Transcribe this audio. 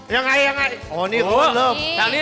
ยังไงยังไง